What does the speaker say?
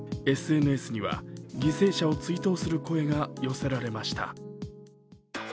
ＳＮＳには犠牲者を追悼する声が寄せられました。